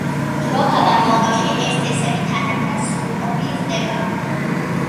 დროთა განმავლობაში ეს წესები თანდათან სრულყოფილი ხდებოდა.